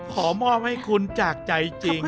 ขอมอบให้คุณจากใจจริง